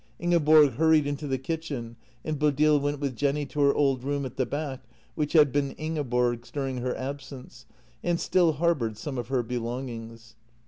Ingeborg hurried into the kitchen, and Bodil went with Jenny to her old room at the back, which had been Ingeborg's during her absence, and still harboured some of her belongings.